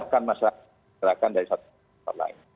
sihakan masyarakat dari satu tempat lain